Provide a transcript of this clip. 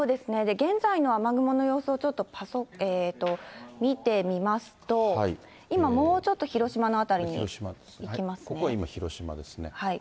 現在の雨雲の様子をちょっと見てみますと、今、もうちょっと広島の辺りにいきまここ今、広島ですね。